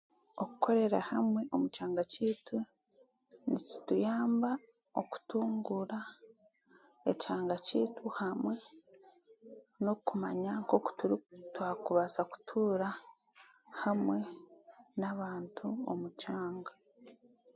Okukorera hamwe omu kyanga kyaitu nikituyamba okutunguura ekyanga kyaitu hamwe n'okumanya nk'oku twakubaasa kutuura hamwe n'abantu omu kyanga.